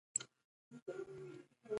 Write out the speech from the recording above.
چنګلونه د افغان ماشومانو د زده کړې موضوع ده.